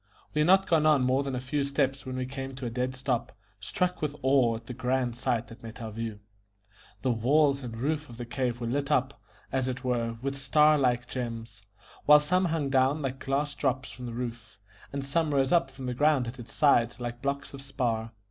We had not gone on more than a few steps when we came to a dead stop, struck with awe at the grand sight that met our view. The walls and roof of the cave were lit up, as it were, with star like gems, while some hung down like glass drops from the roof, and some rose up from the ground at its sides like blocks of spar.